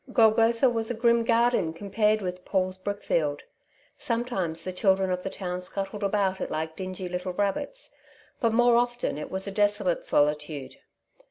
Golgotha was a grim garden compared with Paul's brickfield. Sometimes the children of the town scuttled about it like dingy little rabbits. But more often it was a desolate solitude.